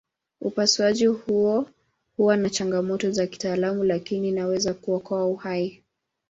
Upasuaji huo huwa na changamoto za kitaalamu lakini inaweza kuokoa uhai.